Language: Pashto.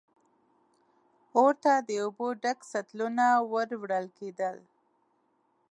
اور ته د اوبو ډک سطلونه ور وړل کېدل.